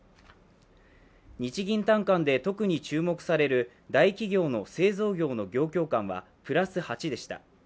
日銀短観で特に注目される大企業の製造業の業況感はプラス８でした。